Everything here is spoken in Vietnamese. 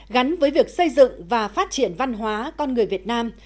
gắn với việc xây dựng và phát triển văn hóa con người việt nam